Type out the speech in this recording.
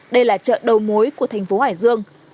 đây là chợ đầu mối của tp hải dương